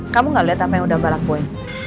kamu gak liat apa yang udah mbak rakwoy